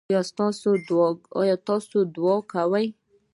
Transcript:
ایا تاسو دعا کوئ؟